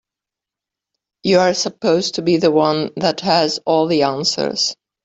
You're supposed to be the one that has all the answers.